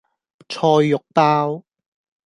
菜肉包